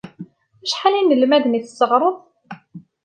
Acḥal n yinelmaden ay tesƔareḍ?